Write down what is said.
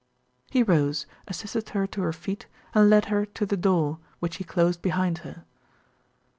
He rose, assisted her to her feet, and led her to the door, which he closed behind her.